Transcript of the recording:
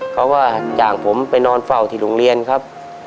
เขาก็จ้างผมไปนอนเฝ้าที่โรงเรียนครับ